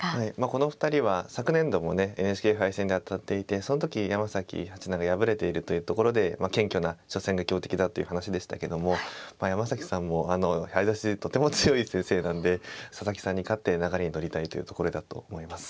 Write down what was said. この２人は昨年度もねＮＨＫ杯戦で当たっていてその時山崎八段が敗れているというところで謙虚な初戦が強敵だっていう話でしたけどもまあ山崎さんも早指しとても強い先生なんで佐々木さんに勝って流れに乗りたいというところだと思います。